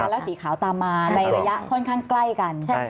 แล้วสีขาวตามมาในระยะค่อนข้างใกล้กัน